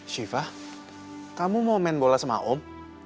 syifa kamu mau main bola sama om